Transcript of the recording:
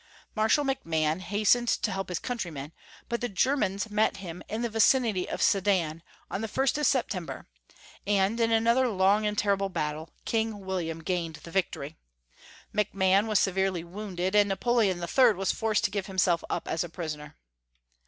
Mai'shal McMahon hastened to help his countrymen, but the Germans met him in the vichiity of Sedan, on the 1st of Sep tefmber, and in another long and tenible battle Kii:g William gained the victory. MacMahon was severely wounded, and Napoleon III. was forced to give himself up as a prisoner.